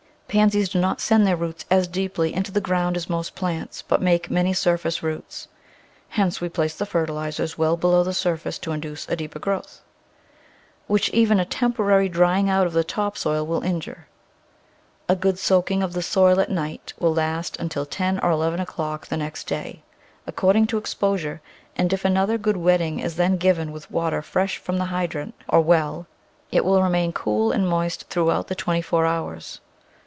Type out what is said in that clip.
Pansies do not send their roots as deeply into the ground as most plants, but make many surface roots (hence we place the fertilisers well below the surface to induce a deeper growth), which even a temporary drying out of the top soil will injure. A good soaking of the soil at night will last until ten or eleven o'clock the next day, according to exposure, and if another good wetting is then given with water fresh from the hydrant or well it will remain cool and moist through out the twenty four hours.